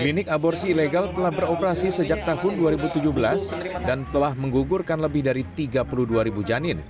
klinik aborsi ilegal telah beroperasi sejak tahun dua ribu tujuh belas dan telah menggugurkan lebih dari tiga puluh dua ribu janin